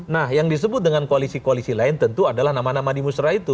nah yang disebut dengan koalisi koalisi lain tentu adalah nama nama di musrah itu